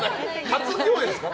初共演ですか？